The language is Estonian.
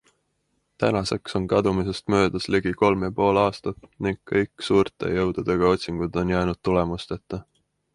Tänaseks on kadumisest möödas ligi kolm ja pool aastat ning kõik suurte jõududega otsingud on jäänud tulemusteta.